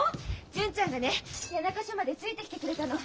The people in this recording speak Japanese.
純ちゃんがね谷中署までついてきてくれたの。